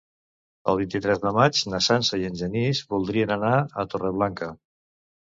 El vint-i-tres de maig na Sança i en Genís voldrien anar a Torreblanca.